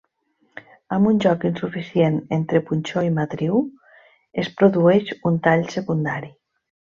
Amb un joc insuficient entre punxó i matriu, es produeix un tall secundari.